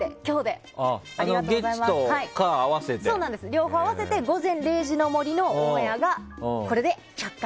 両方合わせて「午前０時の森」のオンエアが、これで１００回。